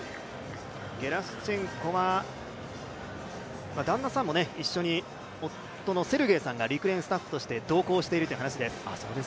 ゲラシュチェンコは旦那さんも一緒に夫が陸連スタッフとして同行しているという話です。